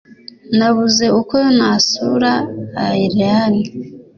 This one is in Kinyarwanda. nabuze uko nasura allayne?